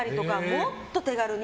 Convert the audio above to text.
もっと手軽に。